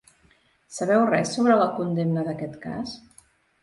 Sabeu res sobre la condemna d’aquest cas?